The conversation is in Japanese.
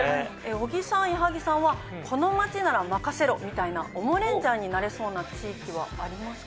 小木さん矢作さんは「この街なら任せろ」みたいなＯＭＯレンジャーになれそうな地域はありますか？